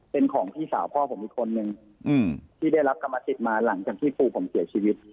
เป็นของพี่สาวพ่อผมอีกคนนึงที่ได้รับกรรมสิทธิ์มาหลังจากที่ปู่ผมเสียชีวิต